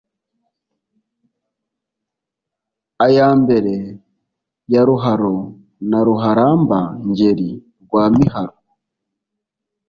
Aya mbere ya Ruharo Na Ruharamba-ngeri rwa Miharo